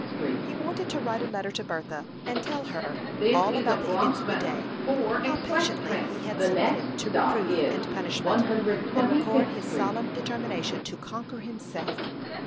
He wanted to write a letter to Bertha, and tell her all about the events of the day how patiently he had submitted to reproof and punishment; and record his solemn determination to conquer himself.